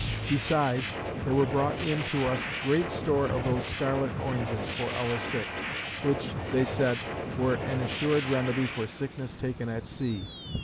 Besides, there were brought in to us, great store of those scarlet oranges, for our sick; which (they said) were an assured remedy for sickness taken at sea.